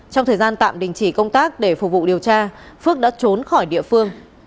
trong thời gian tạm đình chỉ công tác để phục vụ điều tra phước đã trốn khỏi địa phương